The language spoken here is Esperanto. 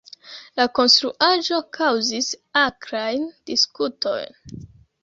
La konstruaĵo kaŭzis akrajn diskutojn.